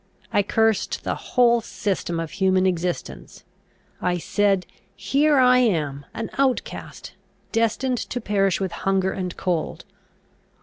I cursed the whole system of human existence. I said, "Here I am, an outcast, destined to perish with hunger and cold.